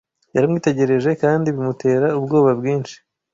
Yaramwitegereje kandi bimutera ubwoba bwinshi.